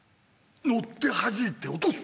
乗ってはじいて落とす！